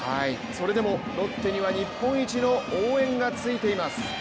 それでもロッテには日本一の応援がついています。